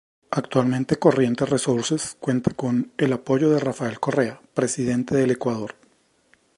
Actualmente, Corriente Resources cuenta con el apoyo de Rafael Correa, presidente del Ecuador.